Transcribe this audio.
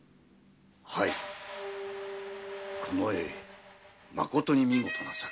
この絵まことに見事な作。